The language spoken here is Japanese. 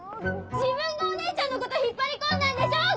自分がお姉ちゃんのこと引っ張り込んだんでしょうが！